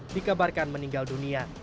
dikabarkan meninggal dunia